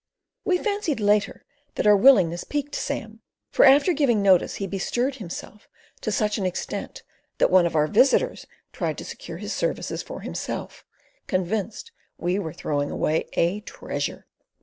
We fancied later that our willingness piqued Sam, for after giving notice he bestirred himself to such an extent that one of our visitors tried to secure his services for himself, convinced we were throwing away a treasure.